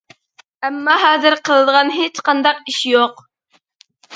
ئەمما ھازىر قىلىدىغان ھېچقانداق ئىشى يوق.